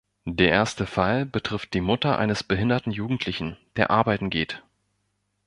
Der erste Fall betrifft die Mutter eines behinderten Jugendlichen, der arbeiten geht.